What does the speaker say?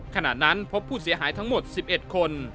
ขณะนั้นพบผู้เสียหายทั้งหมด๑๑คน